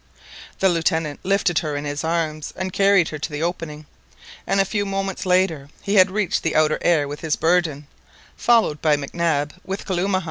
The Lieutenant lifted her in his arms and carried her to the opening, and a few moments later he had reached the outer air with his burden, followed by Mac Nab with Kalumah.